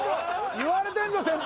言われてんぞ先輩！